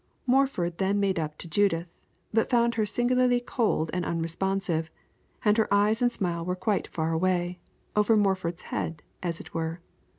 Morford then made up to Judith, but found her singularly cold and unresponsive, and her eyes and smile were quite far away, over Morford's head, as it were.